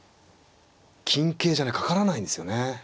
金桂じゃねかからないんですよね。